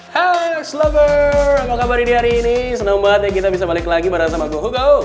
halo ex lover apa kabar di hari ini senang banget ya kita bisa balik lagi bersama gue hugo